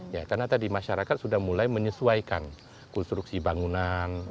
karena tadi masyarakat sudah mulai menyesuaikan konstruksi bangunan